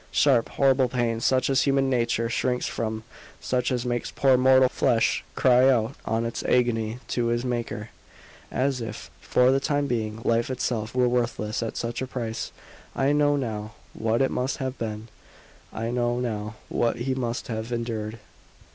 Sharp, horrible pain such as human nature shrinks from such as makes poor mortal flesh cry out in its agony to its Maker, as if, for the time being, life itself were worthless at such a price. I know now what it must have been; I know now what he must have endured.